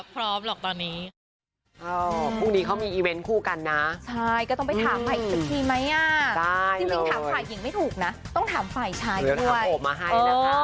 ต้องถามฝ่ายอีกสักทีไหมอ่ะจริงถามฝ่ายอีกอย่างไม่ถูกนะต้องถามฝ่ายชายด้วย